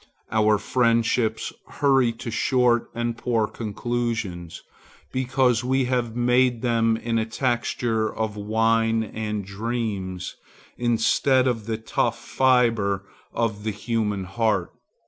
Our friendships hurry to short and poor conclusions, because we have made them a texture of wine and dreams, instead of the tough fibre of the human heart.